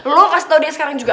lo kasih tau dia sekarang juga